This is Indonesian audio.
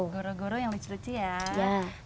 goro goro yang lucu lucu ya